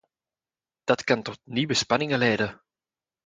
En dat kan tot nieuwe spanningen leiden.